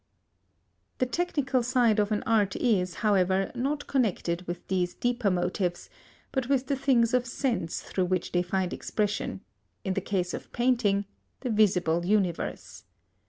The technical side of an art is, however, not concerned with these deeper motives but with the things of sense through which they find expression; in the case of painting, the visible universe.